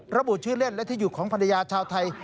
ระบุชื่อเล่นและที่อยู่ของภรรยาชาวไทย